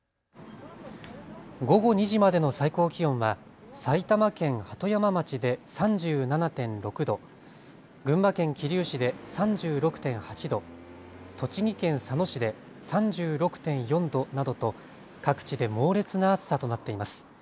午後２時までの最高気温は埼玉県鳩山町で３７．６度、群馬県桐生市で３６．８度、栃木県佐野市で３６．４度などと各地で猛烈な暑さとなっています。